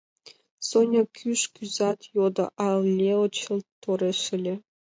Соня кӱш кӱзат йодо, а Лео чылт тореш ыле.